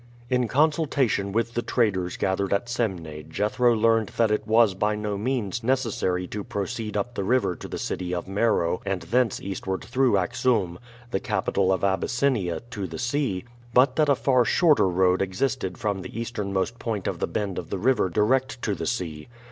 In consultation with the traders gathered at Semneh Jethro learned that it was by no means necessary to proceed up the river to the city of Meroe[C] and thence eastward through Axoum, the capital of Abyssinia, to the sea, but that a far shorter road existed from the easternmost point of the bend of the river direct to the sea.